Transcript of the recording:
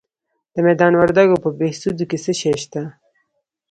د میدان وردګو په بهسودو کې څه شی شته؟